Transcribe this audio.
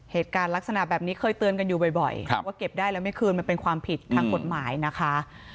เหตุการณ์ลักษณะแบบนี้เคยเตือนกันอยู่บ่อยว่าเก็บได้แล้วไม่คืนมันเป็นความผิดทางกฎหมายนะคะ